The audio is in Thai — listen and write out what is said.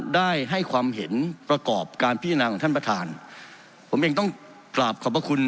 ได้ให้ความเห็นประกอบการพิจารณาของท่านประธานผมเองต้องกราบขอบพระคุณ